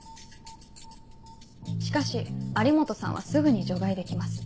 しかし有本さんはすぐに除外できます。